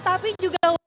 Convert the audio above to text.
tapi juga warga